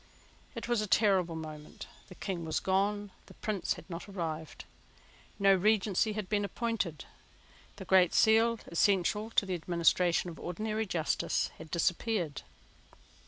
It was a terrible moment. The King was gone. The Prince had not arrived. No Regency had been appointed. The Great Seal, essential to the administration of ordinary justice, had disappeared.